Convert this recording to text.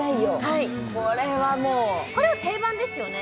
はいこれはもうこれは定番ですよね